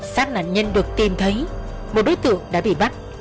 xác nạn nhân được tìm thấy một đối tượng đã bị bắt